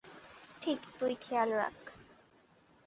ঠিক, তুই খেয়াল রাখ।